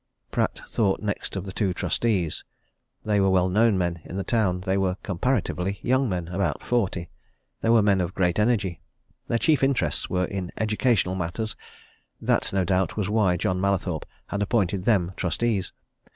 Pratt thought next of the two trustees. They were well known men in the town. They were comparatively young men about forty. They were men of great energy. Their chief interests were in educational matters that, no doubt, was why John Mallathorpe had appointed them trustees.